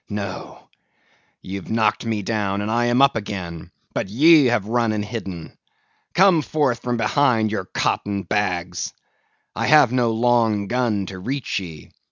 _ No, ye've knocked me down, and I am up again; but ye have run and hidden. Come forth from behind your cotton bags! I have no long gun to reach ye.